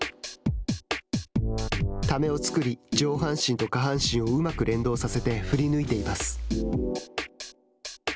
ためを作り、上半身と下半身をうまく連動させて振り抜いています。